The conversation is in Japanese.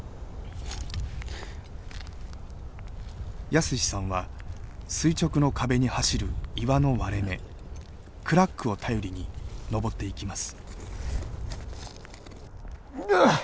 泰史さんは垂直の壁に走る岩の割れ目「クラック」を頼りに登っていきます。